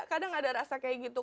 kadang ada rasa kayak gitu